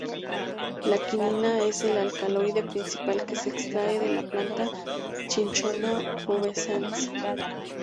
La quinina es el alcaloide principal que se extrae de la planta "Cinchona pubescens".